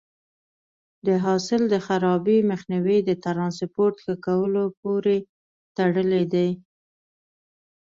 د حاصل د خرابي مخنیوی د ټرانسپورټ ښه کولو پورې تړلی دی.